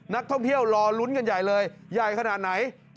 นักท่องเที่ยวรอลุ้นกันใหญ่เลยใหญ่ขนาดไหน